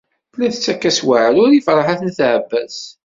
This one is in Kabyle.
Tella tettakf-as s weɛrur i Ferḥat n At Ɛebbas.